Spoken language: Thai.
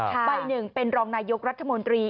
ใบหนึ่งเป็นรองนายุทธรรมดี